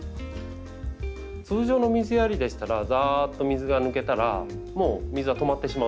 通常の水やりでしたらざっと水が抜けたらもう水は止まってしまう。